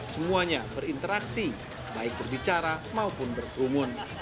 semuanya berinteraksi baik berbicara maupun berkerumun